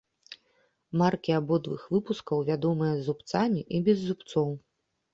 Маркі абодвух выпускаў вядомыя з зубцамі і без зубцоў.